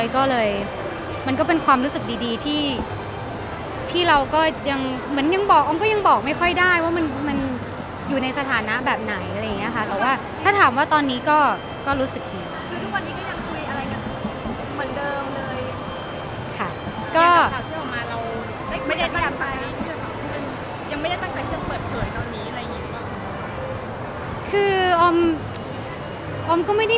ก็เลยมันก็เป็นความรู้สึกดีที่ที่เราก็ยังเหมือนยังบอกก็ยังบอกไม่ค่อยได้ว่ามันมันอยู่ในสถานะแบบไหนเลยนะคะถ้าถามว่าตอนนี้ก็ก็รู้สึกดี